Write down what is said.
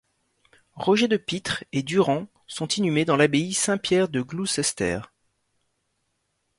Roger de Pitres et Durand sont inhumés dans l'abbaye Saint-Pierre de Gloucester.